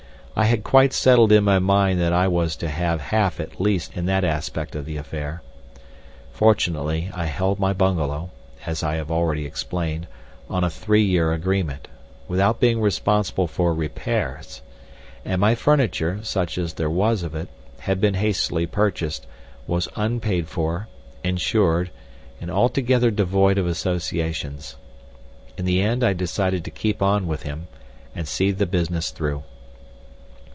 I had quite settled in my mind that I was to have half at least in that aspect of the affair. Fortunately I held my bungalow, as I have already explained, on a three year agreement, without being responsible for repairs; and my furniture, such as there was of it, had been hastily purchased, was unpaid for, insured, and altogether devoid of associations. In the end I decided to keep on with him, and see the business through.